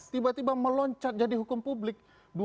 tiba tiba meloncat jadi hukum publik